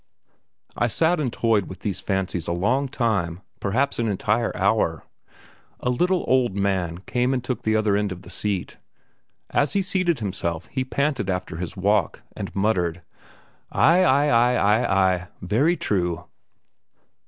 I sat and toyed with these fancies a long time, perhaps an entire hour. A little, old man came and took the other end of the seat; as he seated himself he panted after his walk, and muttered: "Ay, ay, ay, ay, ay, ay, ay, ay, ay, ay; very true!"